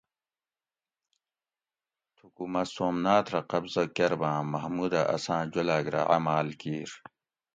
تھوکو مہ سومنات رہ قبضہ کۤرباۤں محمود اۤ اساۤں جولاۤگ رہ عمال کِیر